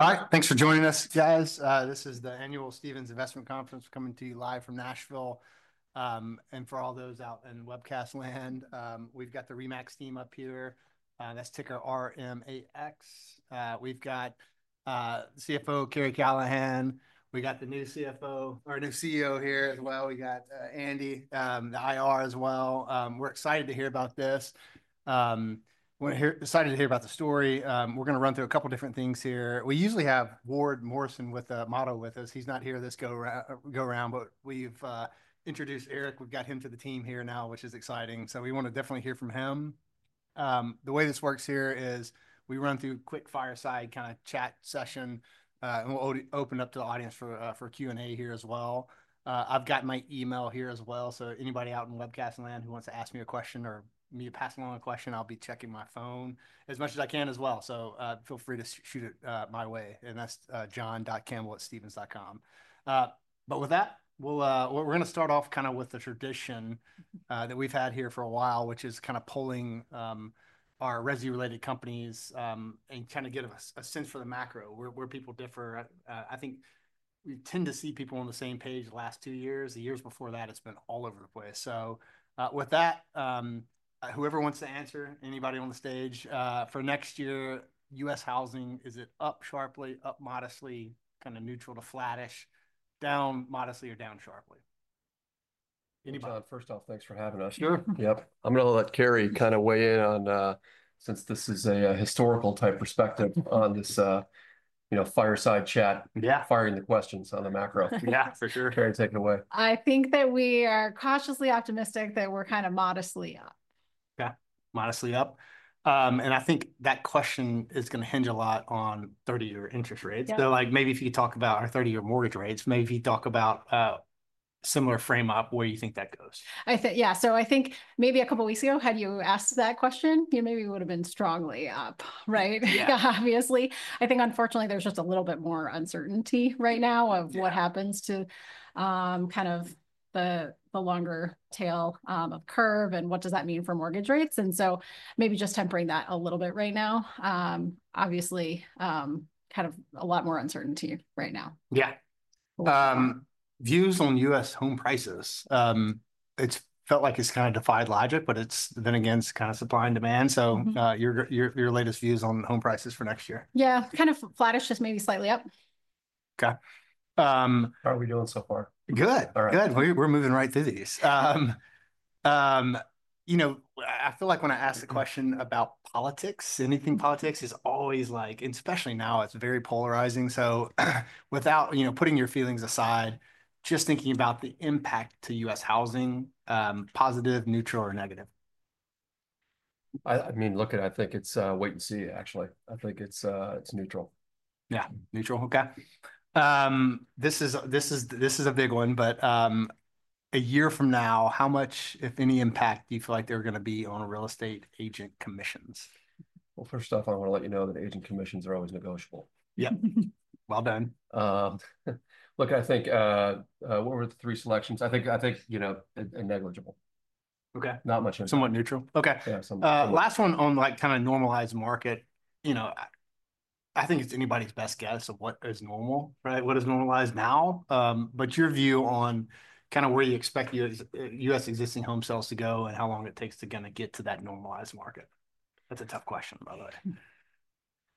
Hi, thanks for joining us, guys. This is the annual Stephens Investment Conference, coming to you live from Nashville. For all those out in webcast land, we've got the RE/MAX team up here. That's ticker RMAX. We've got CFO Karri Callahan. We got the new CFO, our new CEO here as well. We got Andy, the IR as well. We're excited to hear about this. We're excited to hear about the story. We're going to run through a couple of different things here. We usually have Ward Morrison with Motto with us. He's not here this go-around, but we've introduced Erik. We've got him to the team here now, which is exciting. So we want to definitely hear from him. The way this works here is we run through a quick fireside kind of chat session, and we'll open up to the audience for Q&A here as well. I've got my email here as well. So anybody out in webcast land who wants to ask me a question or me to pass along a question, I'll be checking my phone as much as I can as well. So feel free to shoot it my way. And that's john.campbell@stephens.com. But with that, we're going to start off kind of with the tradition that we've had here for a while, which is kind of pulling our real estate-related companies and kind of give us a sense for the macro, where people differ. I think we tend to see people on the same page the last two years. The years before that, it's been all over the place. So with that, whoever wants to answer, anybody on the stage for next year, U.S. housing, is it up sharply, up modestly, kind of neutral to flattish, down modestly, or down sharply? Anybody? John, first off, thanks for having us. Sure. Yep. I'm going to let Karri kind of weigh in on, since this is a historical type perspective on this fireside chat, firing the questions on the macro. Yeah, for sure. Karri, take it away. I think that we are cautiously optimistic that we're kind of modestly up. Yeah, modestly up, and I think that question is going to hinge a lot on 30-year interest rates, so maybe if you could talk about our 30-year mortgage rates, maybe if you talk about a similar timeframe, where you think that goes. I think, yeah. So I think maybe a couple of weeks ago, had you asked that question, you know, maybe it would have been strongly up, right? Obviously, I think, unfortunately, there's just a little bit more uncertainty right now of what happens to kind of the longer tail of curve and what does that mean for mortgage rates. And so maybe just tempering that a little bit right now. Obviously, kind of a lot more uncertainty right now. Yeah. Views on U.S. home prices. It's felt like it's kind of defied logic, but it's then against kind of supply and demand. So your latest views on home prices for next year? Yeah, kind of flattish, just maybe slightly up. Okay. How are we doing so far? Good. All right. Good. We're moving right through these. You know, I feel like when I ask the question about politics, anything politics is always like, and especially now, it's very polarizing. So without putting your feelings aside, just thinking about the impact to U.S. housing, positive, neutral, or negative? I mean, look at it, I think it's wait and see, actually. I think it's neutral. Yeah, neutral. Okay. This is a big one. But a year from now, how much, if any, impact do you feel like there are going to be on real estate agent commissions? First off, I want to let you know that agent commissions are always negotiable. Yep. Well done. Look, I think what were the three selections? I think, you know, negligible. Okay. Not much of it. Somewhat neutral. Okay. Yeah, somewhat neutral. Last one on kind of normalized market. You know, I think it's anybody's best guess of what is normal, right? What is normalized now? But your view on kind of where you expect U.S. existing home sales to go and how long it takes to kind of get to that normalized market. That's a tough question, by the way.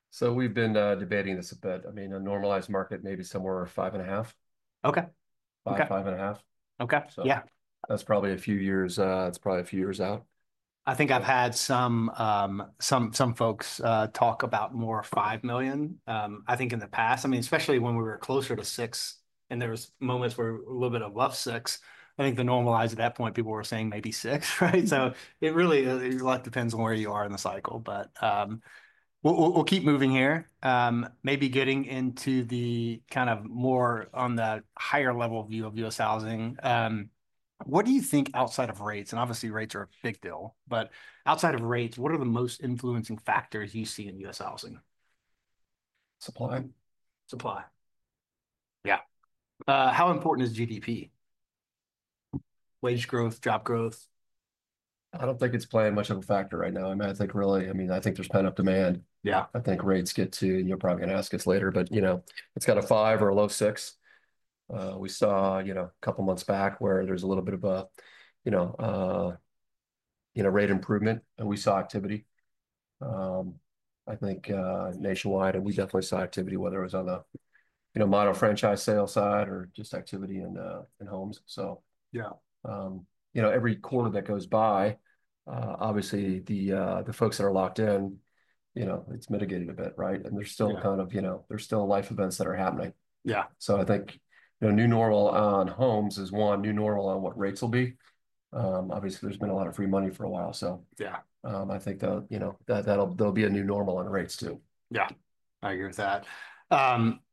So we've been debating this a bit. I mean, a normalized market maybe somewhere around five and a half. Okay. 5.5. Okay. Yeah. That's probably a few years. That's probably a few years out. I think I've had some folks talk about more 5 million. I think in the past, I mean, especially when we were closer to six, and there were moments where a little bit above six, I think the normalized at that point, people were saying maybe six, right? So it really a lot depends on where you are in the cycle. But we'll keep moving here. Maybe getting into the kind of more on the higher level view of U.S. housing. What do you think outside of rates? And obviously, rates are a big deal. But outside of rates, what are the most influencing factors you see in U.S. housing? Supply. Supply. Yeah. How important is GDP? Wage growth, job growth? I don't think it's playing much of a factor right now. I mean, I think really, I mean, I think there's kind of demand. Yeah, I think rates get to, and you're probably going to ask us later, but you know, it's got a five or a low six. We saw, you know, a couple of months back where there's a little bit of a, you know, rate improvement, and we saw activity, I think, nationwide. And we definitely saw activity, whether it was on the, you know, Motto franchise sales side or just activity in homes. So, you know, every quarter that goes by, obviously, the folks that are locked in, you know, it's mitigated a bit, right? And there's still kind of, you know, there's still life events that are happening. Yeah. So I think, you know, new normal on homes is one, new normal on what rates will be. Obviously, there's been a lot of free money for a while. So, yeah, I think that, you know, there'll be a new normal on rates too. Yeah. I agree with that.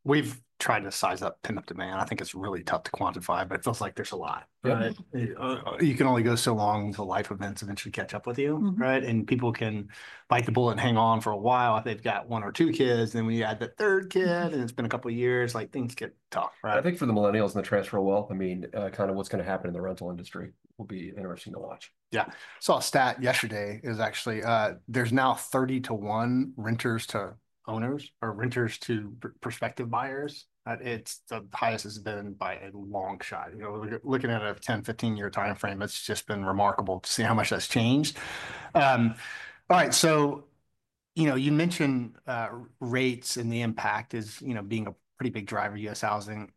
We've tried to size up, pin down demand. I think it's really tough to quantify, but it feels like there's a lot. You can only go so long until life events eventually catch up with you, right? And people can bite the bullet and hang on for a while. If they've got one or two kids, and then when you add the third kid, and it's been a couple of years, like things get tough, right? I think for the Millennials and the transferable wealth, I mean, kind of what's going to happen in the rental industry will be interesting to watch. Yeah. I saw a stat yesterday. It was actually, there's now 30 to 1 renters to owners or renters to prospective buyers. It's the highest it's been by a long shot. You know, looking at a 10, 15-year time frame, it's just been remarkable to see how much that's changed. All right. So, you know, you mentioned rates and the impact is, you know, being a pretty big driver of U.S. housing.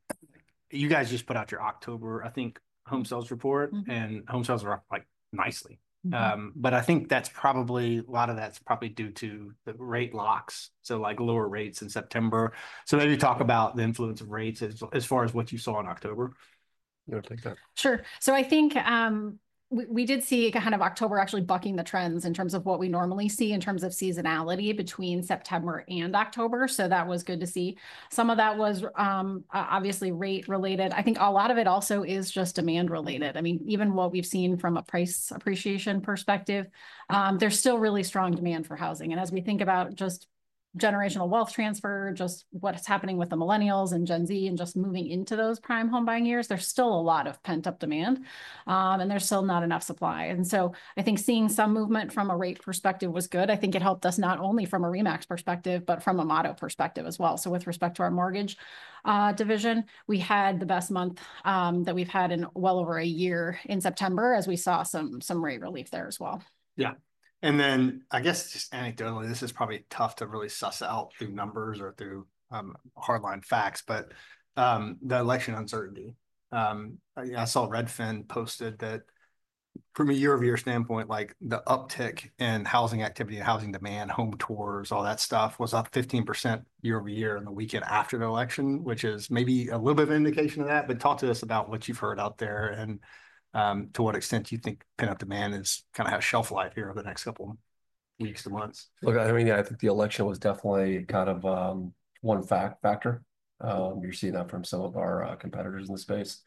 You guys just put out your October, I think, home sales report, and home sales are up like nicely. But I think that's probably a lot of that's due to the rate locks. So like lower rates in September. So maybe talk about the influence of rates as far as what you saw in October. You want to take that? Sure. So I think we did see kind of October actually bucking the trends in terms of what we normally see in terms of seasonality between September and October. So that was good to see. Some of that was obviously rate related. I think a lot of it also is just demand related. I mean, even what we've seen from a price appreciation perspective, there's still really strong demand for housing. And as we think about just generational wealth transfer, just what's happening with the Millennials and Gen Z and just moving into those prime home buying years, there's still a lot of pent-up demand, and there's still not enough supply. And so I think seeing some movement from a rate perspective was good. I think it helped us not only from a RE/MAX perspective, but from a Motto perspective as well. So with respect to our mortgage division, we had the best month that we've had in well over a year in September, as we saw some rate relief there as well. Yeah. And then I guess just anecdotally, this is probably tough to really suss out through numbers or through hardline facts, but the election uncertainty. I saw Redfin posted that from a year-over-year standpoint, like the uptick in housing activity and housing demand, home tours, all that stuff was up 15% year-over-year in the weekend after the election, which is maybe a little bit of an indication of that, but talk to us about what you've heard out there and to what extent you think pent-up demand is kind of has shelf life here over the next couple of weeks to months. Look, I mean, I think the election was definitely kind of one factor. You're seeing that from some of our competitors in the space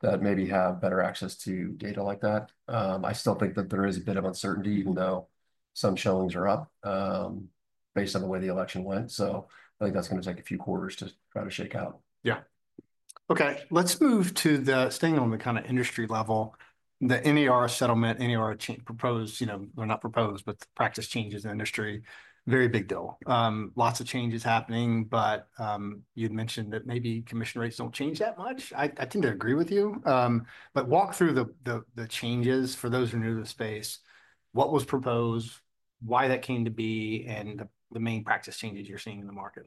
that maybe have better access to data like that. I still think that there is a bit of uncertainty, even though some showings are up based on the way the election went. So I think that's going to take a few quarters to try to shake out. Yeah. Okay. Let's move to the staying on the kind of industry level. The NAR settlement, NAR proposed, you know, or not proposed, but practice changes in the industry. Very big deal. Lots of changes happening, but you'd mentioned that maybe commission rates don't change that much. I tend to agree with you. But walk through the changes for those who are new to the space. What was proposed, why that came to be, and the main practice changes you're seeing in the market.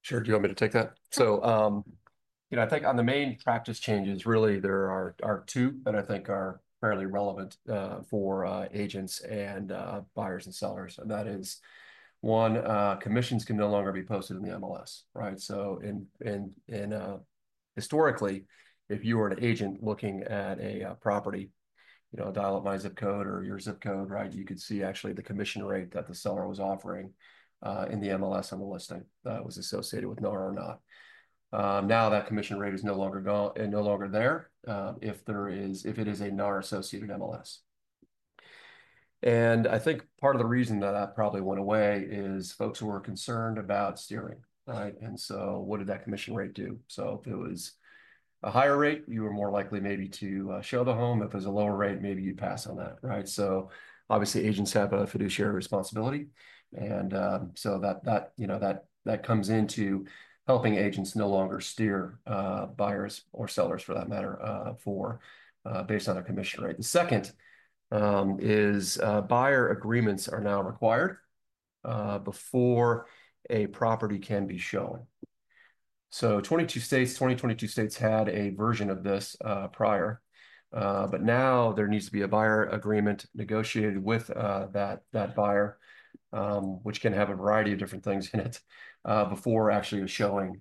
Sure. Do you want me to take that? So, you know, I think on the main practice changes, really, there are two that I think are fairly relevant for agents and buyers and sellers. And that is one, commissions can no longer be posted in the MLS, right? So historically, if you were an agent looking at a property, you know, dial up my zip code or your zip code, right, you could see actually the commission rate that the seller was offering in the MLS on the listing that was associated with NAR or not. Now that commission rate is no longer there if there is, if it is a NAR-associated MLS. And I think part of the reason that that probably went away is folks who were concerned about steering, right? And so what did that commission rate do? So if it was a higher rate, you were more likely maybe to show the home. If it was a lower rate, maybe you'd pass on that, right? So obviously, agents have a fiduciary responsibility. And so that, you know, that comes into helping agents no longer steer buyers or sellers for that matter based on a commission rate. The second is buyer agreements are now required before a property can be shown. So 22 states in 2022 had a version of this prior. But now there needs to be a buyer agreement negotiated with that buyer, which can have a variety of different things in it before actually a showing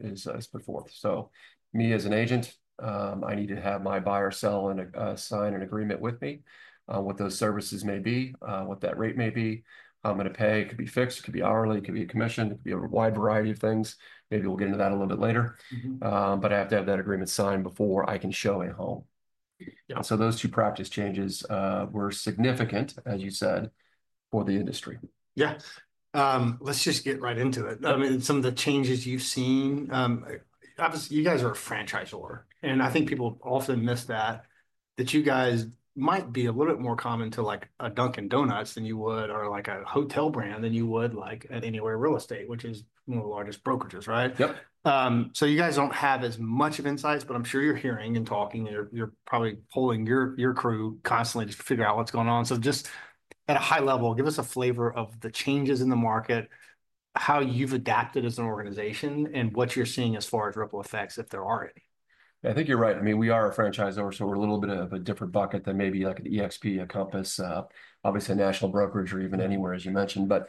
is put forth. So me as an agent, I need to have my buyer sign and sign an agreement with me what those services may be, what that rate may be. I'm going to pay. It could be fixed. It could be hourly. It could be a commission. It could be a wide variety of things. Maybe we'll get into that a little bit later. But I have to have that agreement signed before I can show a home. So those two practice changes were significant, as you said, for the industry. Yeah. Let's just get right into it. I mean, some of the changes you've seen, obviously, you guys are a franchisor. And I think people often miss that, that you guys might be a little bit more common to like a Dunkin' Donuts than you would, or like a hotel brand than you would like at Anywhere Real Estate, which is one of the largest brokerages, right? Yep. So you guys don't have as much of insights, but I'm sure you're hearing and talking, and you're probably pulling your crew constantly to figure out what's going on. So just at a high level, give us a flavor of the changes in the market, how you've adapted as an organization, and what you're seeing as far as ripple effects, if there are any. I think you're right. I mean, we are a franchisor, so we're a little bit of a different bucket than maybe like an eXp, a Compass, obviously a national brokerage, or even Anywhere, as you mentioned. But,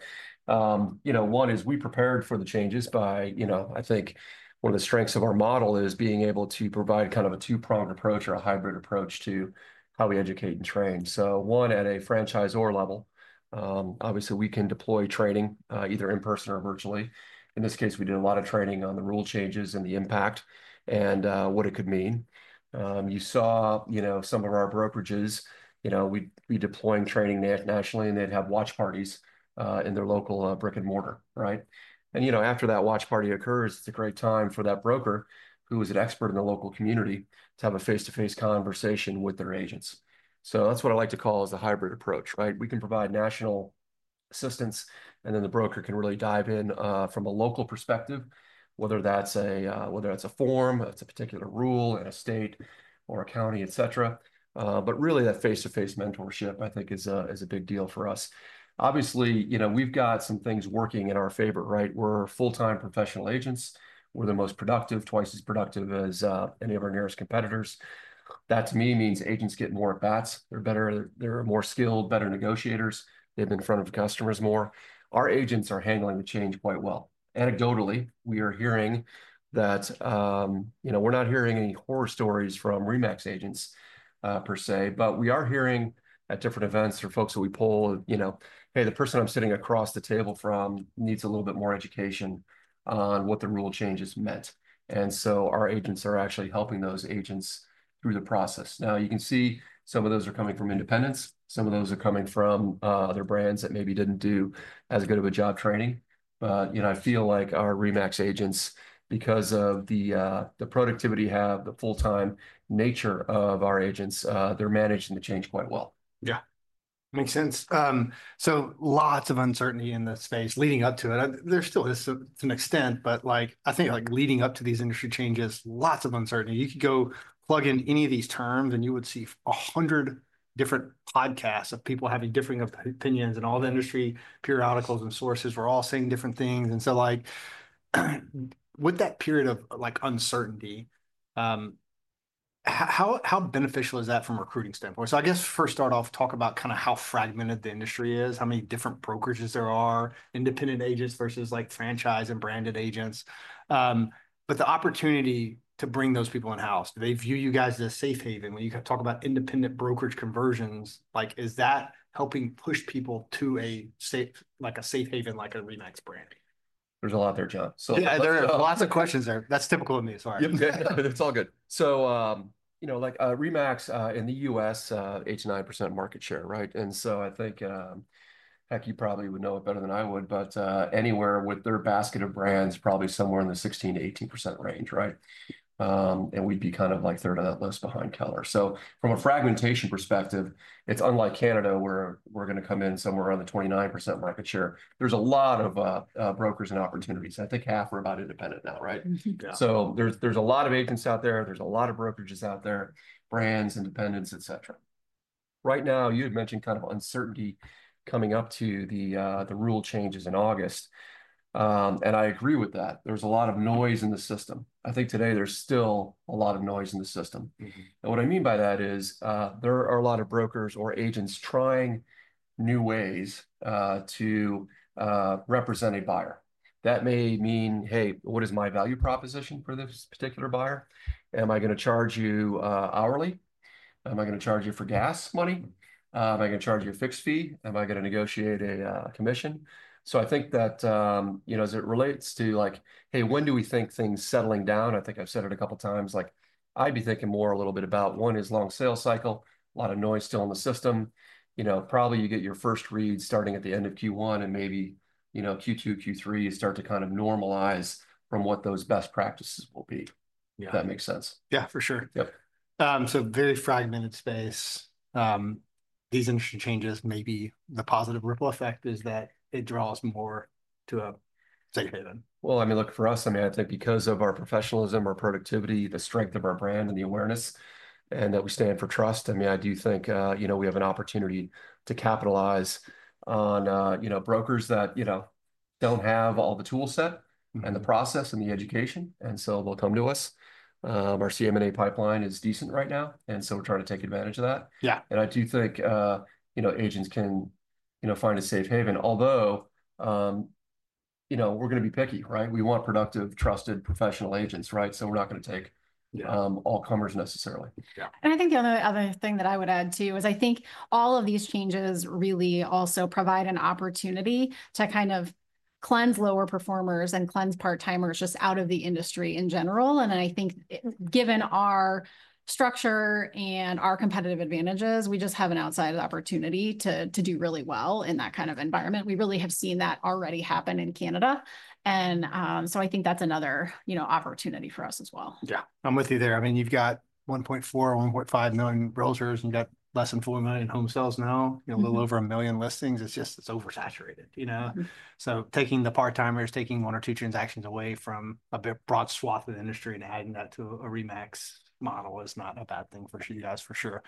you know, one is we prepared for the changes by, you know, I think one of the strengths of our model is being able to provide kind of a two-pronged approach or a hybrid approach to how we educate and train. So one at a franchisor level, obviously, we can deploy training either in person or virtually. In this case, we did a lot of training on the rule changes and the impact and what it could mean. You saw, you know, some of our brokerages, you know, we'd be deploying training nationally, and they'd have watch parties in their local brick and mortar, right? You know, after that watch party occurs, it's a great time for that broker who is an expert in the local community to have a face-to-face conversation with their agents. So that's what I like to call is a hybrid approach, right? We can provide national assistance, and then the broker can really dive in from a local perspective, whether that's a form, it's a particular rule in a state or a county, etc. But really, that face-to-face mentorship, I think, is a big deal for us. Obviously, you know, we've got some things working in our favor, right? We're full-time professional agents. We're the most productive, twice as productive as any of our nearest competitors. That to me means agents get more at bats. They're better. They're more skilled, better negotiators. They've been in front of customers more. Our agents are handling the change quite well. Anecdotally, we are hearing that, you know, we're not hearing any horror stories from RE/MAX agents per se, but we are hearing at different events or folks that we pull, you know, hey, the person I'm sitting across the table from needs a little bit more education on what the rule changes meant. And so our agents are actually helping those agents through the process. Now, you can see some of those are coming from independents. Some of those are coming from other brands that maybe didn't do as good of a job training. But, you know, I feel like our RE/MAX agents, because of the productivity, the full-time nature of our agents, they're managing the change quite well. Yeah. Makes sense. So lots of uncertainty in the space leading up to it. There still is to an extent, but like, I think like leading up to these industry changes, lots of uncertainty. You could go plug in any of these terms, and you would see 100 different podcasts of people having differing opinions and all the industry periodicals and sources were all saying different things. And so like, with that period of like uncertainty, how beneficial is that from a recruiting standpoint? So I guess first start off, talk about kind of how fragmented the industry is, how many different brokerages there are, independent agents versus like franchise and branded agents. But the opportunity to bring those people in-house, they view you guys as a safe haven. When you talk about independent brokerage conversions, like, is that helping push people to a safe, like a safe haven, like a RE/MAX brand? There's a lot there, John. Yeah, there are lots of questions there. That's typical of me. Sorry. It's all good. So, you know, like RE/MAX in the U.S., 89% market share, right? And so I think, heck, you probably would know it better than I would, but Anywhere with their basket of brands, probably somewhere in the 16%-18% range, right? And we'd be kind of like third on that list behind Keller. So from a fragmentation perspective, it's unlike Canada where we're going to come in somewhere around the 29% market share. There's a lot of brokers and opportunities. I think half are about independent now, right? So there's a lot of agents out there. There's a lot of brokerages out there, brands, independents, etc. Right now, you had mentioned kind of uncertainty coming up to the rule changes in August. And I agree with that. There's a lot of noise in the system. I think today there's still a lot of noise in the system. And what I mean by that is there are a lot of brokers or agents trying new ways to represent a buyer. That may mean, hey, what is my value proposition for this particular buyer? Am I going to charge you hourly? Am I going to charge you for gas money? Am I going to charge you a fixed fee? Am I going to negotiate a commission? So I think that, you know, as it relates to like, hey, when do we think things settling down? I think I've said it a couple of times. Like I'd be thinking more a little bit about one is long sale cycle, a lot of noise still in the system. You know, probably you get your first read starting at the end of Q1 and maybe, you know, Q2, Q3, you start to kind of normalize from what those best practices will be. If that makes sense. Yeah, for sure. So very fragmented space. These industry changes may be the positive ripple effect is that it draws more to a safe haven. Well, I mean, look, for us, I mean, I think because of our professionalism, our productivity, the strength of our brand and the awareness, and that we stand for trust, I mean, I do think, you know, we have an opportunity to capitalize on, you know, brokers that, you know, don't have all the toolset and the process and the education, and so they'll come to us. Our CM&A pipeline is decent right now, and so we're trying to take advantage of that. Yeah, and I do think, you know, agents can, you know, find a safe haven, although, you know, we're going to be picky, right? We want productive, trusted, professional agents, right? So we're not going to take all comers necessarily. And I think the other thing that I would add too is I think all of these changes really also provide an opportunity to kind of cleanse lower performers and cleanse part-timers just out of the industry in general. And I think given our structure and our competitive advantages, we just have an outsized opportunity to do really well in that kind of environment. We really have seen that already happen in Canada. And so I think that's another, you know, opportunity for us as well. Yeah. I'm with you there. I mean, you've got 1.4 milion, 1.5 million realtors, and you've got less than 4 million home sales now, you know, a little over a million listings. It's just, it's oversaturated, you know? So taking the part-timers, taking one or two transactions away from a broad swath of the industry and adding that to a RE/MAX model is not a bad thing for you guys, for sure.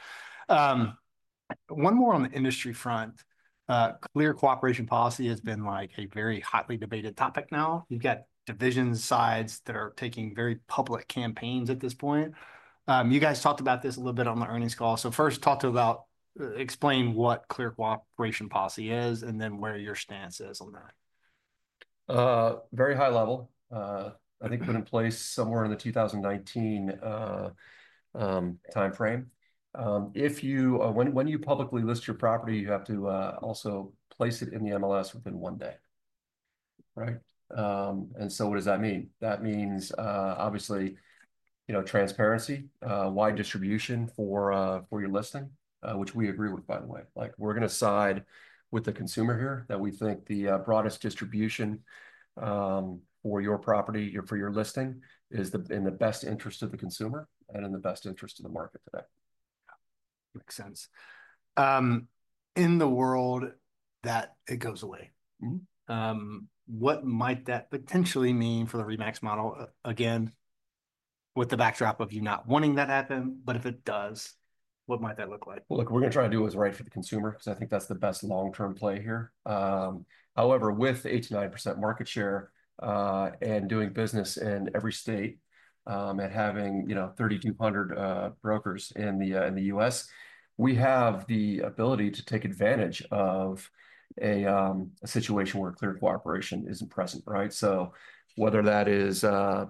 One more on the industry front. Clear Cooperation Policy has been like a very hotly debated topic now. You've got divided sides that are taking very public campaigns at this point. You guys talked about this a little bit on the earnings call. So first talk to about, explain what Clear Cooperation Policy is and then where your stance is on that. Very high level. I think put in place somewhere in the 2019 timeframe. If you, when you publicly list your property, you have to also place it in the MLS within one day, right? And so what does that mean? That means obviously, you know, transparency, wide distribution for your listing, which we agree with, by the way. Like we're going to side with the consumer here that we think the broadest distribution for your property, for your listing is in the best interest of the consumer and in the best interest of the market today. Makes sense. In the world that it goes away, what might that potentially mean for the RE/MAX model? Again, with the backdrop of you not wanting that happen, but if it does, what might that look like? Well, look, what we're going to try to do is right for the consumer because I think that's the best long-term play here. However, with 89% market share and doing business in every state and having, you know, 3,200 brokers in the U.S., we have the ability to take advantage of a situation where Clear Cooperation isn't present, right? So whether that is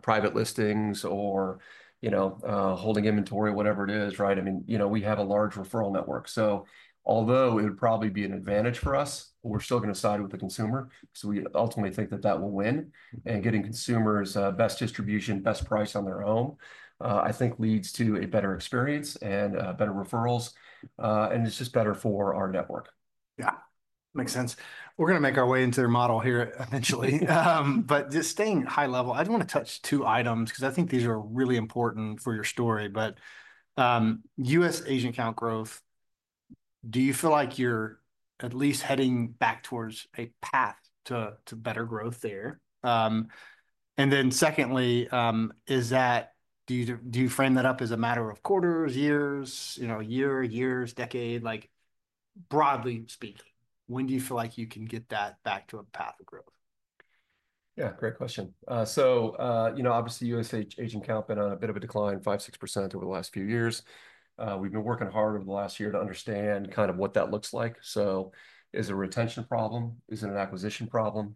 private listings or, you know, holding inventory, whatever it is, right? I mean, you know, we have a large referral network. So although it would probably be an advantage for us, we're still going to side with the consumer. So we ultimately think that that will win and getting consumers best distribution, best price on their own, I think leads to a better experience and better referrals. And it's just better for our network. Yeah. Makes sense. We're going to make our way into their model here eventually. But just staying high level, I just want to touch two items because I think these are really important for your story. But U.S. agent count growth, do you feel like you're at least heading back towards a path to better growth there? And then secondly, is that, do you frame that up as a matter of quarters, years, you know, a year, years, decade? Like broadly speaking, when do you feel like you can get that back to a path of growth? Yeah, great question. So, you know, obviously U.S. agent count been on a bit of a decline, 5%-6% over the last few years. We've been working hard over the last year to understand kind of what that looks like. So is it a retention problem? Is it an acquisition problem?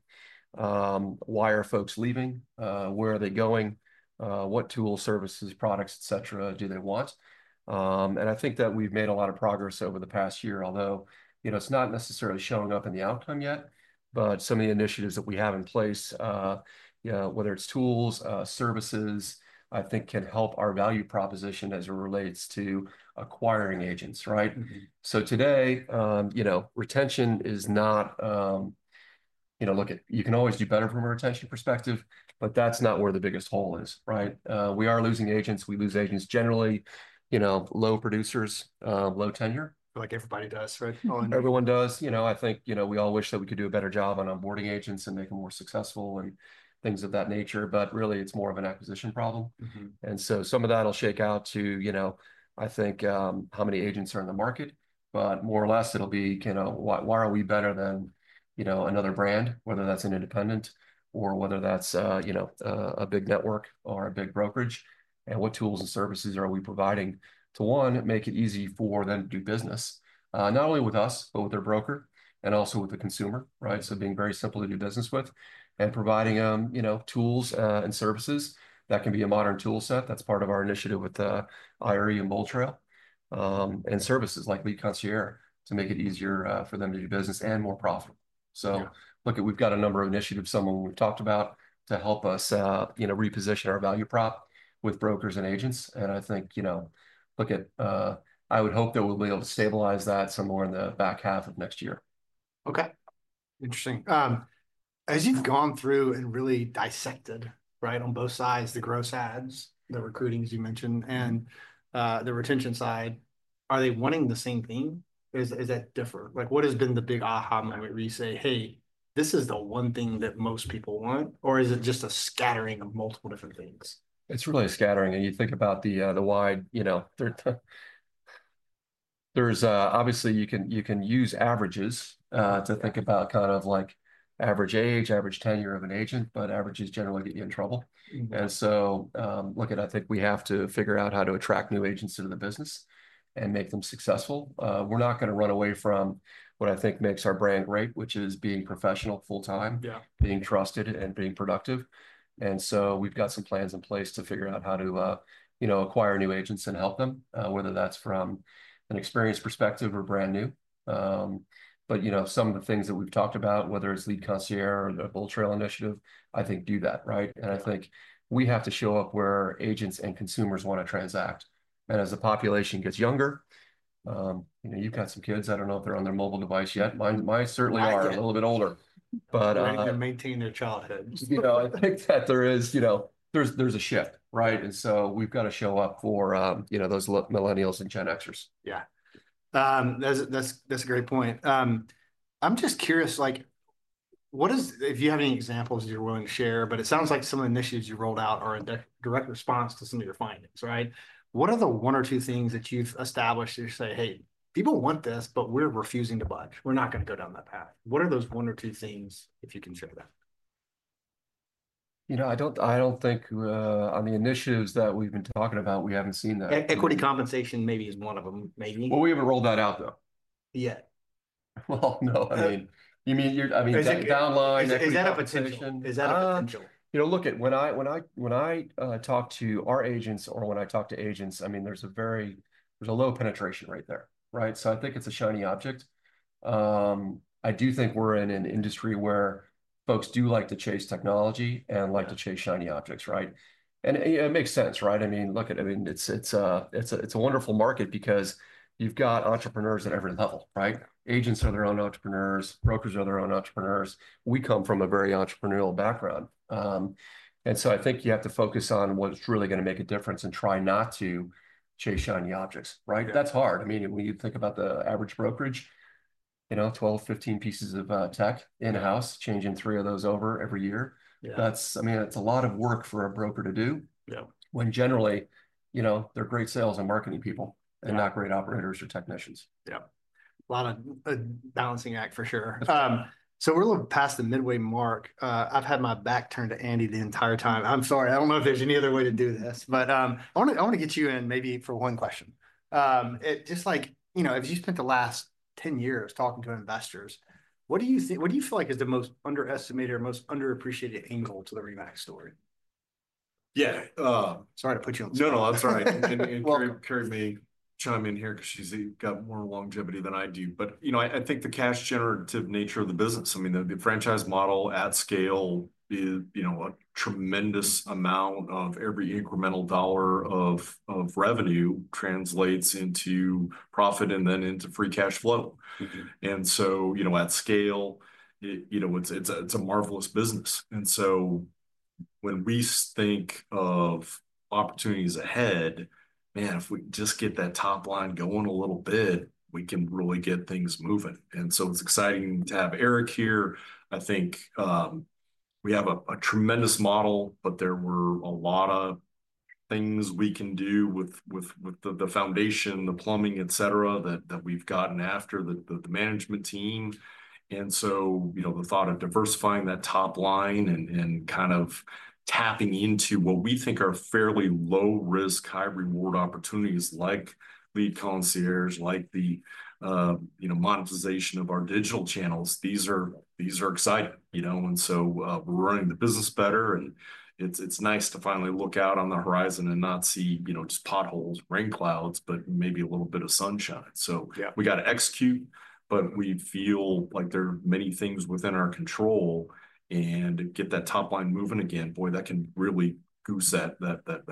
Why are folks leaving? Where are they going? What tools, services, products, etc. do they want? And I think that we've made a lot of progress over the past year, although, you know, it's not necessarily showing up in the outcome yet, but some of the initiatives that we have in place, you know, whether it's tools, services, I think can help our value proposition as it relates to acquiring agents, right? So today, you know, retention is not, you know, you can always do better from a retention perspective, but that's not where the biggest hole is, right? We are losing agents. We lose agents generally, you know, low producers, low tenure. Like everybody does, right? Everyone does. You know, I think, you know, we all wish that we could do a better job on onboarding agents and make them more successful and things of that nature. But really, it's more of an acquisition problem. And so some of that will shake out to, you know, I think how many agents are in the market, but more or less it'll be, you know, why are we better than, you know, another brand, whether that's an independent or whether that's, you know, a big network or a big brokerage? And what tools and services are we providing to one, make it easy for them to do business, not only with us, but with their broker and also with the consumer, right? So being very simple to do business with and providing them, you know, tools and services that can be a modern toolset. That's part of our initiative with IRE and BoldTrail and services like Lead Concierge to make it easier for them to do business and more profitable. So look, we've got a number of initiatives, some of them we've talked about to help us, you know, reposition our value prop with brokers and agents. And I think, you know, look at, I would hope that we'll be able to stabilize that somewhere in the back half of next year. Okay. Interesting. As you've gone through and really dissected, right, on both sides, the gross adds, the recruiting as you mentioned, and the retention side, are they wanting the same thing? Is that different? Like what has been the big aha moment where you say, hey, this is the one thing that most people want, or is it just a scattering of multiple different things? It's really a scattering, and you think about the wide, you know, there's obviously you can use averages to think about kind of like average age, average tenure of an agent, but averages generally get you in trouble, and so look at, I think we have to figure out how to attract new agents into the business and make them successful. We're not going to run away from what I think makes our brand great, which is being professional full time, being trusted, and being productive, and so we've got some plans in place to figure out how to, you know, acquire new agents and help them, whether that's from an experience perspective or brand new, but, you know, some of the things that we've talked about, whether it's Lead Concierge or the BoldTrail initiative, I think do that, right? I think we have to show up where agents and consumers want to transact. As the population gets younger, you know, you've got some kids. I don't know if they're on their mobile device yet. Mine certainly are a little bit older, but. They can maintain their childhood. You know, I think that there is, you know, there's a shift, right? And so we've got to show up for, you know, those Millennials and Gen Xers. Yeah. That's a great point. I'm just curious, like, what is, if you have any examples you're willing to share, but it sounds like some of the initiatives you rolled out are in direct response to some of your findings, right? What are the one or two things that you've established to say, hey, people want this, but we're refusing to budge. We're not going to go down that path. What are those one or two things, if you can share that? You know, I don't think on the initiatives that we've been talking about, we haven't seen that. Equity compensation maybe is one of them, maybe. We haven't rolled that out though. Yeah. Well, no, I mean, you mean you're, I mean, downline. Is that a potential? You know, look at when I talk to our agents or when I talk to agents. I mean, there's a very low penetration rate there, right? So I think it's a shiny object. I do think we're in an industry where folks do like to chase technology and like to chase shiny objects, right? And it makes sense, right? I mean, look at, I mean, it's a wonderful market because you've got entrepreneurs at every level, right? Agents are their own entrepreneurs. Brokers are their own entrepreneurs. We come from a very entrepreneurial background. And so I think you have to focus on what's really going to make a difference and try not to chase shiny objects, right? That's hard. I mean, when you think about the average brokerage, you know, 12, 15 pieces of tech in-house, changing three of those over every year, that's, I mean, it's a lot of work for a broker to do. Yeah, when generally, you know, they're great sales and marketing people and not great operators or technicians. Yeah. A lot of balancing act for sure. So we're a little past the midway mark. I've had my back turned to Andy the entire time. I'm sorry. I don't know if there's any other way to do this, but I want to get you in maybe for one question. Just like, you know, as you spent the last 10 years talking to investors, what do you think, what do you feel like is the most underestimated or most underappreciated angle to the RE/MAX story? Yeah. Sorry to put you on the spot. No, no, that's all right. And Karri may chime in here because she's got more longevity than I do. But, you know, I think the cash generative nature of the business, I mean, the franchise model at scale is, you know, a tremendous amount of every incremental dollar of revenue translates into profit and then into free cash flow. And so, you know, at scale, you know, it's a marvelous business. And so when we think of opportunities ahead, man, if we just get that top line going a little bit, we can really get things moving. And so it's exciting to have Erik here. I think we have a tremendous model, but there were a lot of things we can do with the foundation, the plumbing, etc., that we've gotten after the management team. And so, you know, the thought of diversifying that top line and kind of tapping into what we think are fairly low risk, high reward opportunities like Lead Concierge, like the, you know, monetization of our digital channels. These are exciting, you know? And so we're running the business better. And it's nice to finally look out on the horizon and not see, you know, just potholes, rain clouds, but maybe a little bit of sunshine. So we got to execute, but we feel like there are many things within our control and get that top line moving again. Boy, that can really boost that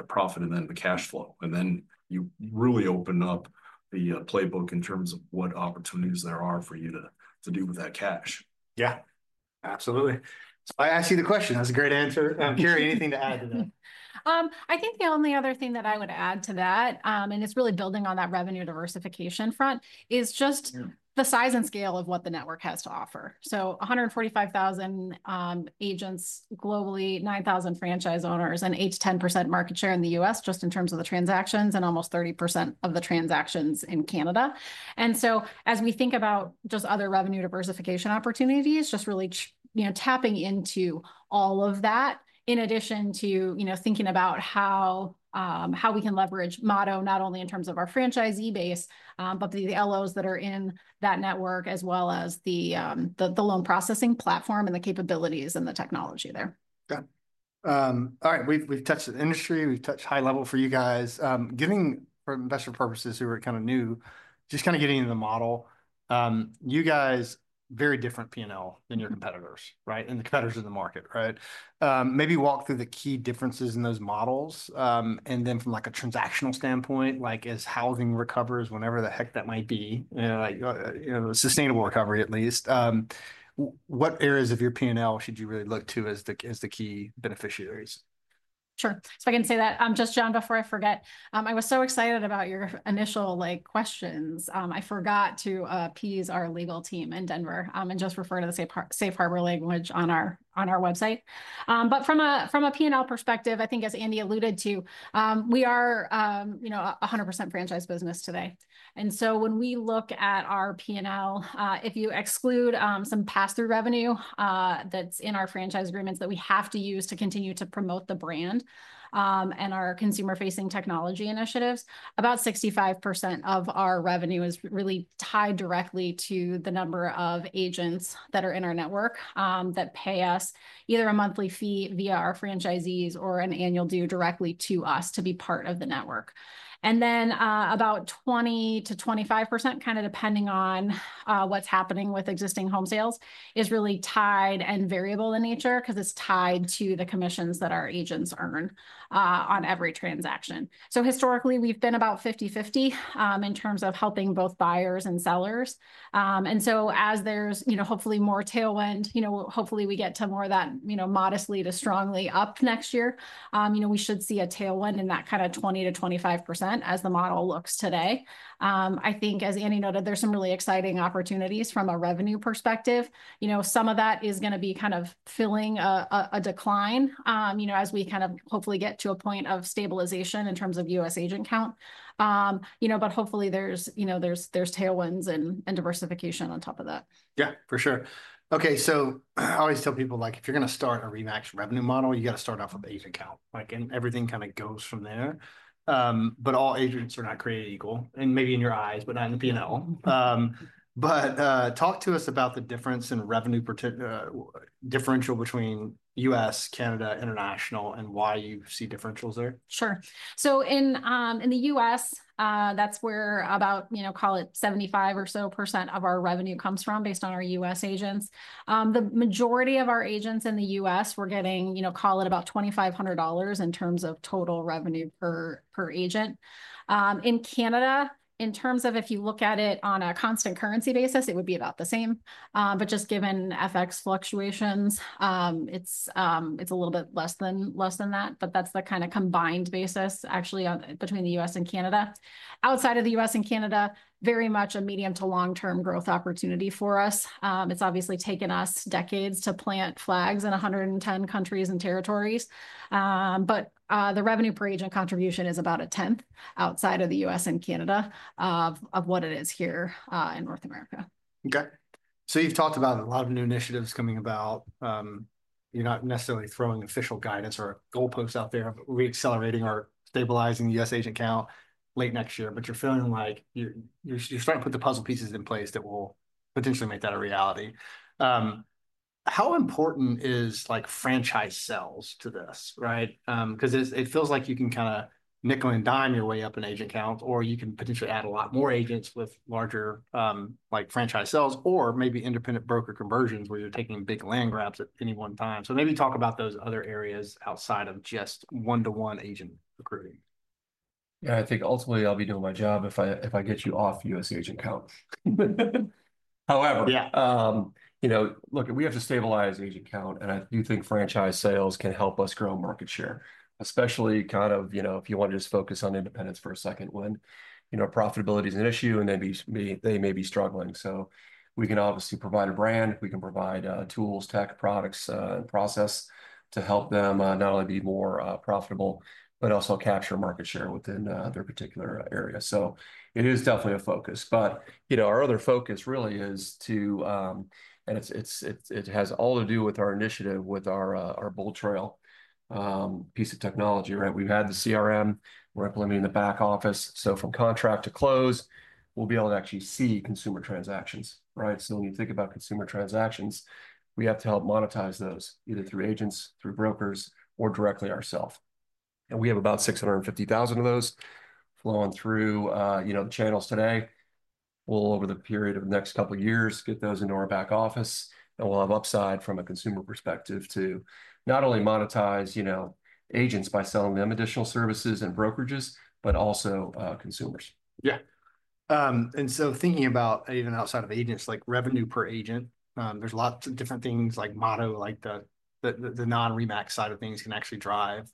profit and then the cash flow. And then you really open up the playbook in terms of what opportunities there are for you to do with that cash. Yeah. Absolutely. So I asked you the question. That's a great answer. Karri, anything to add to that? I think the only other thing that I would add to that, and it's really building on that revenue diversification front, is just the size and scale of what the network has to offer. So 145,000 agents globally, 9,000 franchise owners, an 8%-10% market share in the U.S. just in terms of the transactions and almost 30% of the transactions in Canada. And so as we think about just other revenue diversification opportunities, just really, you know, tapping into all of that in addition to, you know, thinking about how we can leverage Motto not only in terms of our franchisee base, but the LOs that are in that network as well as the loan processing platform and the capabilities and the technology there. Okay. All right. We've touched the industry. We've touched high level for you guys. Giving for investor purposes, who are kind of new, just kind of getting into the model, you guys are very different P&L than your competitors, right? And the competitors in the market, right? Maybe walk through the key differences in those models. And then from like a transactional standpoint, like as housing recovers whenever the heck that might be, you know, sustainable recovery at least, what areas of your P&L should you really look to as the key beneficiaries? Sure. So I can say that just, John, before I forget, I was so excited about your initial questions. I forgot to appease our legal team in Denver and just refer to the safe harbor language on our website. But from a P&L perspective, I think as Andy alluded to, we are, you know, a 100% franchise business today. And so when we look at our P&L, if you exclude some pass-through revenue that's in our franchise agreements that we have to use to continue to promote the brand and our consumer-facing technology initiatives, about 65% of our revenue is really tied directly to the number of agents that are in our network that pay us either a monthly fee via our franchisees or an annual dues directly to us to be part of the network. And then about 20%-25%, kind of depending on what's happening with existing home sales, is really tied and variable in nature because it's tied to the commissions that our agents earn on every transaction. So historically, we've been about 50/50 in terms of helping both buyers and sellers. And so as there's, you know, hopefully more tailwind, you know, hopefully we get to more of that, you know, modestly to strongly up next year, you know, we should see a tailwind in that kind of 20%-25% as the model looks today. I think as Andy noted, there's some really exciting opportunities from a revenue perspective. You know, some of that is going to be kind of filling a decline, you know, as we kind of hopefully get to a point of stabilization in terms of U.S. agent count, you know, but hopefully there's, you know, there's tailwinds and diversification on top of that. Yeah, for sure. Okay. So I always tell people, like, if you're going to start a RE/MAX revenue model, you got to start off with agent count. Like, and everything kind of goes from there. But all agents are not created equal. And maybe in your eyes, but not in the P&L. But talk to us about the difference in revenue differential between U.S., Canada, international, and why you see differentials there. Sure. So in the U.S., that's where about, you know, call it 75% or so of our revenue comes from based on our U.S. agents. The majority of our agents in the U.S., we're getting, you know, call it about $2,500 in terms of total revenue per agent. In Canada, in terms of if you look at it on a constant currency basis, it would be about the same. But just given FX fluctuations, it's a little bit less than that. But that's the kind of combined basis actually between the U.S. and Canada. Outside of the U.S. and Canada, very much a medium to long-term growth opportunity for us. It's obviously taken us decades to plant flags in 110 countries and territories. But the revenue per agent contribution is about a tenth outside of the U.S. and Canada of what it is here in North America. Okay. So you've talked about a lot of new initiatives coming about. You're not necessarily throwing official guidance or goalposts out there, but reaccelerating or stabilizing the U.S. agent count late next year. But you're feeling like you're starting to put the puzzle pieces in place that will potentially make that a reality. How important is like franchise sales to this, right? Because it feels like you can kind of nickel and dime your way up in agent count, or you can potentially add a lot more agents with larger like franchise sales or maybe independent broker conversions where you're taking big land grabs at any one time. So maybe talk about those other areas outside of just one-to-one agent recruiting. Yeah, I think ultimately I'll be doing my job if I get you off U.S. agent count. However, you know, look, we have to stabilize agent count, and I do think franchise sales can help us grow market share, especially kind of, you know, if you want to just focus on independents for a second when, you know, profitability is an issue and they may be struggling. So we can obviously provide a brand. We can provide tools, tech products, and process to help them not only be more profitable, but also capture market share within their particular area. So it is definitely a focus. But, you know, our other focus really is to, and it has all to do with our initiative with our BoldTrail piece of technology, right? We've had the CRM. We're implementing the back office. So from contract to close, we'll be able to actually see consumer transactions, right? So when you think about consumer transactions, we have to help monetize those either through agents, through brokers, or directly ourself. And we have about 650,000 of those flowing through, you know, the channels today. We'll, over the period of the next couple of years, get those into our back office. And we'll have upside from a consumer perspective to not only monetize, you know, agents by selling them additional services and brokerages, but also consumers. Yeah. And so thinking about even outside of agents, like revenue per agent, there's lots of different things like Motto, like the non-RE/MAX side of things can actually drive.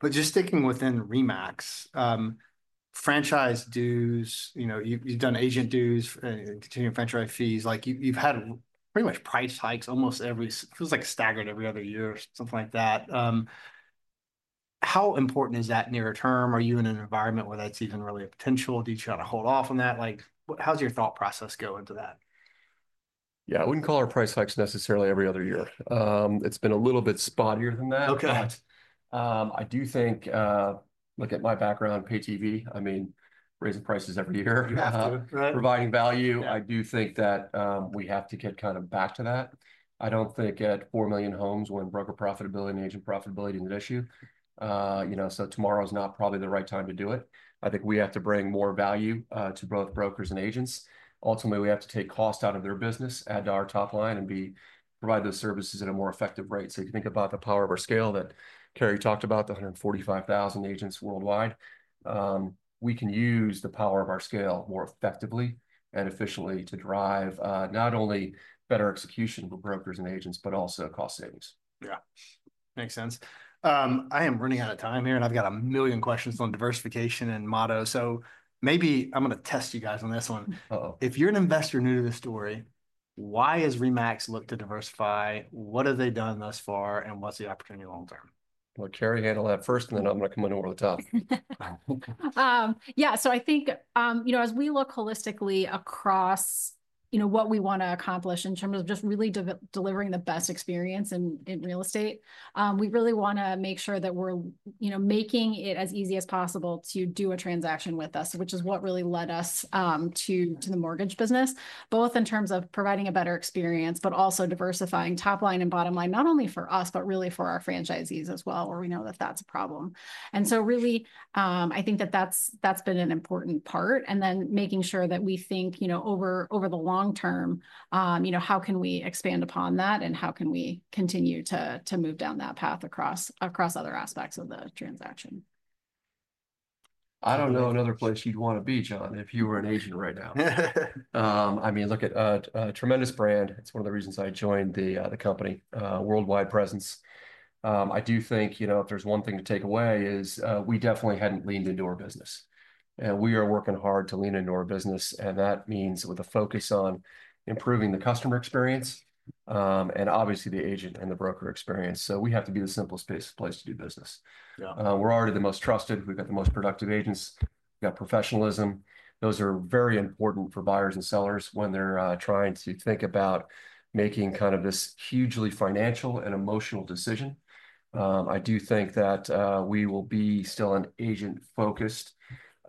But just sticking within RE/MAX, franchise dues, you know, you've done agent dues and continuing franchise fees, like you've had pretty much price hikes almost every, it feels like staggered every other year, something like that. How important is that nearer term? Are you in an environment where that's even really a potential? Do you try to hold off on that? Like, how's your thought process go into that? Yeah, I wouldn't call our price hikes necessarily every other year. It's been a little bit spottier than that. I do think, look at my background, pay TV, I mean, raising prices every year. You have to, right? Providing value. I do think that we have to get kind of back to that. I don't think at four million homes when broker profitability and agent profitability is an issue, you know, so tomorrow is not probably the right time to do it. I think we have to bring more value to both brokers and agents. Ultimately, we have to take cost out of their business, add to our top line, and provide those services at a more effective rate. So if you think about the power of our scale that Karri talked about, the 145,000 agents worldwide, we can use the power of our scale more effectively and efficiently to drive not only better execution for brokers and agents, but also cost savings. Yeah. Makes sense. I am running out of time here, and I've got a million questions on diversification and Motto. So maybe I'm going to test you guys on this one. If you're an investor new to the story, why has RE/MAX looked to diversify? What have they done thus far, and what's the opportunity long term? Karri, handle that first, and then I'm going to come on over the top. Yeah. So I think, you know, as we look holistically across, you know, what we want to accomplish in terms of just really delivering the best experience in real estate, we really want to make sure that we're, you know, making it as easy as possible to do a transaction with us, which is what really led us to the mortgage business, both in terms of providing a better experience, but also diversifying top line and bottom line, not only for us, but really for our franchisees as well, where we know that that's a problem. And so really, I think that that's been an important part. And then making sure that we think, you know, over the long term, you know, how can we expand upon that and how can we continue to move down that path across other aspects of the transaction. I don't know another place you'd want to be, John, if you were an agent right now. I mean, look at a tremendous brand. It's one of the reasons I joined the company, worldwide presence. I do think, you know, if there's one thing to take away, is we definitely hadn't leaned into our business, and we are working hard to lean into our business. And that means with a focus on improving the customer experience and obviously the agent and the broker experience. So we have to be the simplest place to do business. We're already the most trusted. We've got the most productive agents. We've got professionalism. Those are very important for buyers and sellers when they're trying to think about making kind of this hugely financial and emotional decision. I do think that we will be still an agent-focused,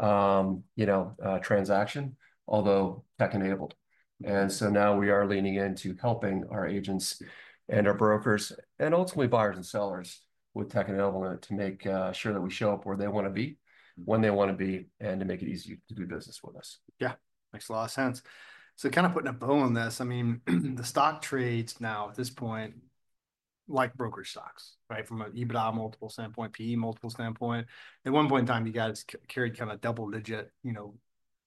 you know, transaction, although tech-enabled. Now we are leaning into helping our agents and our brokers and ultimately buyers and sellers with tech-enablement to make sure that we show up where they want to be, when they want to be, and to make it easier to do business with us. Yeah. Makes a lot of sense. So kind of putting a bow on this, I mean, the stock trades now at this point, like broker stocks, right, from an EBITDA multiple standpoint, PE multiple standpoint. At one point in time, you guys carried kind of a double-digit, you know,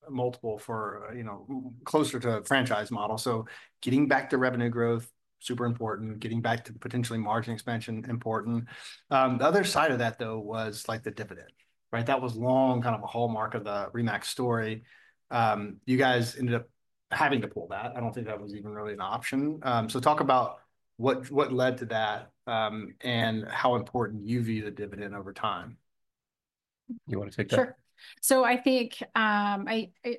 multiple for, you know, closer to a franchise model. So getting back to revenue growth, super important. Getting back to potentially margin expansion, important. The other side of that, though, was like the dividend, right? That was long kind of a hallmark of the RE/MAX story. You guys ended up having to pull that. I don't think that was even really an option. So talk about what led to that and how important you view the dividend over time. You want to take that? Sure. So I think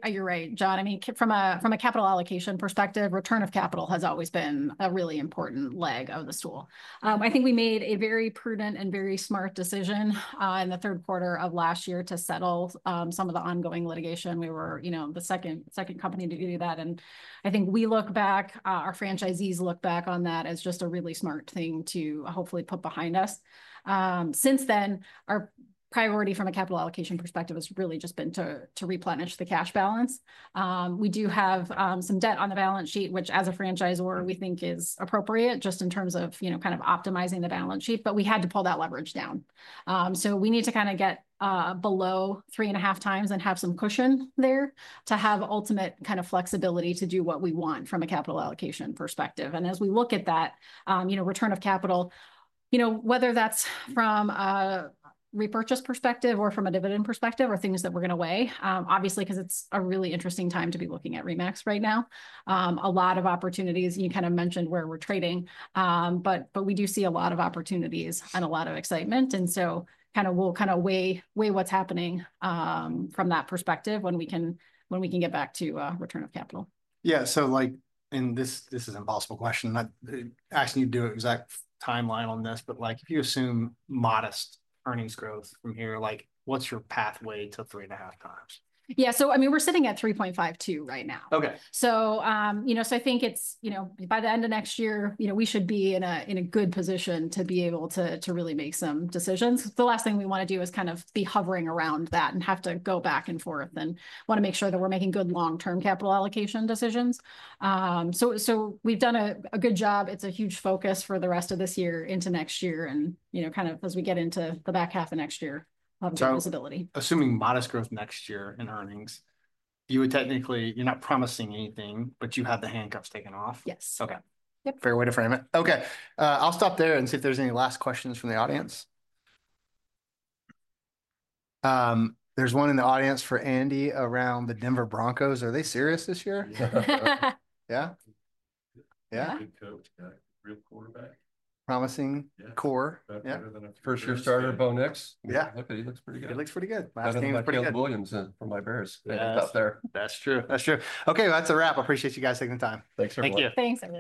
you're right, John. I mean, from a capital allocation perspective, return of capital has always been a really important leg of the stool. I think we made a very prudent and very smart decision in the third quarter of last year to settle some of the ongoing litigation. We were, you know, the second company to do that. And I think we look back, our franchisees look back on that as just a really smart thing to hopefully put behind us. Since then, our priority from a capital allocation perspective has really just been to replenish the cash balance. We do have some debt on the balance sheet, which as a franchisor, we think is appropriate just in terms of, you know, kind of optimizing the balance sheet, but we had to pull that leverage down. So we need to kind of get below three and a half times and have some cushion there to have ultimate kind of flexibility to do what we want from a capital allocation perspective, and as we look at that, you know, return of capital, you know, whether that's from a repurchase perspective or from a dividend perspective or things that we're going to weigh, obviously, because it's a really interesting time to be looking at RE/MAX right now. A lot of opportunities, you kind of mentioned where we're trading, but we do see a lot of opportunities and a lot of excitement, and so kind of we'll kind of weigh what's happening from that perspective when we can get back to return of capital. Yeah. So like in this, this is an impossible question. I'm not asking you to do an exact timeline on this, but like if you assume modest earnings growth from here, like what's your pathway to 3.5x? Yeah, so I mean, we're sitting at 3.52x right now. Okay. So, you know, so I think it's, you know, by the end of next year, you know, we should be in a good position to be able to really make some decisions. The last thing we want to do is kind of be hovering around that and have to go back and forth and want to make sure that we're making good long-term capital allocation decisions. So we've done a good job. It's a huge focus for the rest of this year into next year and, you know, kind of as we get into the back half of next year of the visibility. Assuming modest growth next year in earnings, you would technically, you're not promising anything, but you have the handcuffs taken off. Yes. Okay. Fair way to frame it. Okay. I'll stop there and see if there's any last questions from the audience. There's one in the audience for Andy around the Denver Broncos. Are they serious this year? Yeah? Yeah? Promising quarterback. First-year starter, Bo Nix. Yeah. Look at it. He looks pretty good. He looks pretty good. Looks pretty good like Kevon Williams from Barbarians. That's true. That's true. Okay. That's a wrap. Appreciate you guys taking the time. Thanks for coming. Thank you.